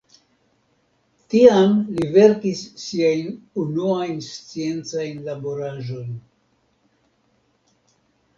Tiam li verkis siajn unuajn sciencajn laboraĵojn.